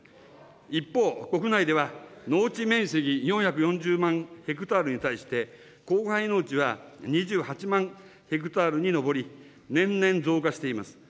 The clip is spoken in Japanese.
一方、国内では、農地面積４４０万ヘクタールに対して、荒廃農地は２８万ヘクタールに上り、年々、増加しています。